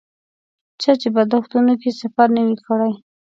چا چې په دښتونو کې سفر نه وي کړی.